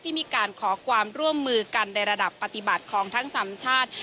ที่มีการขอความร่วมมือกันในระดับปฏิบัติของทั้งสามชาติ